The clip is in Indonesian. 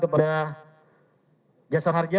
kepada jasara harja